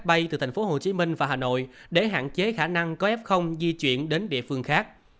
bay từ thành phố hồ chí minh và hà nội để hạn chế khả năng có f di chuyển đến địa phương khác